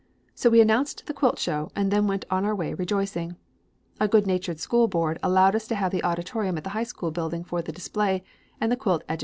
So we announced the quilt show and then went on our way rejoicing. A good natured school board allowed us to have the auditorium at the high school building for the display and the quilt agitation began.